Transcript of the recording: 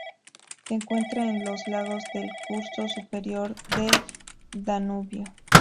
Se encuentra en los lagos del curso superior del Danubio.